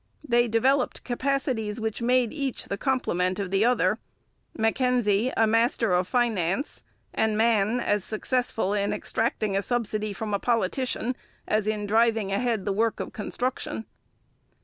They developed capacities which made each the complement of the other Mackenzie a master of finance, and Mann as successful in extracting a subsidy from a politician as in driving ahead the work of construction.